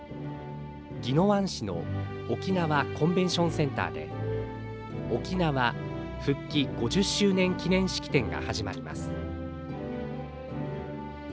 宜野湾市の沖縄コンベンションセンターで「沖縄復帰５０周年記念式典」が始まります。